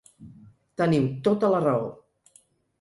Teniu tota la raó.